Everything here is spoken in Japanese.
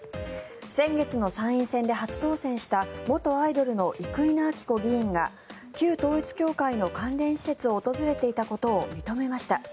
先月の参院選で初当選した元アイドルの生稲晃子議員が旧統一教会の関連施設を訪れていたことを認めました。